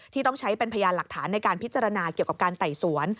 ต้องใช้เป็นพยานหลักฐานในการพิจารณาเกี่ยวกับการไต่สวน